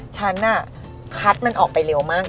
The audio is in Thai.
ฉันคัดมันออกไปเร็วมาก